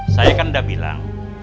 saya kan udah bilang